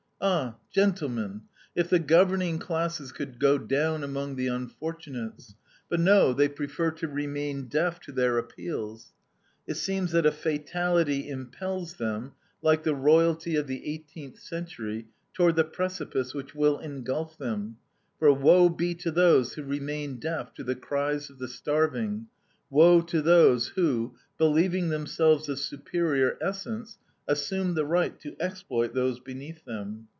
"Ah, gentlemen, if the governing classes could go down among the unfortunates! But no, they prefer to remain deaf to their appeals. It seems that a fatality impels them, like the royalty of the eighteenth century, toward the precipice which will engulf them, for woe be to those who remain deaf to the cries of the starving, woe to those who, believing themselves of superior essence, assume the right to exploit those beneath them!